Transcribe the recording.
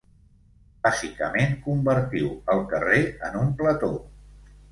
Bàsicament, convertiu el carrer en un plató.